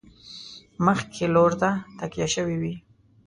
مخکې لور ته تکیه شوي وي.